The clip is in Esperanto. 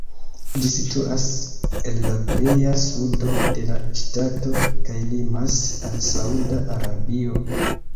Ĝi situas en la pleja sudo de la ŝtato kaj limas al Sauda Arabio.